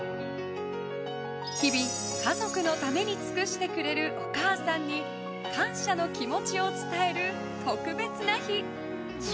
日々、家族のために尽くしてくれるお母さんに感謝の気持ちを伝える特別な日。